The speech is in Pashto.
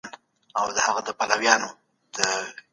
مور مي وویل چي تل په خپلو پښو ودرېږه.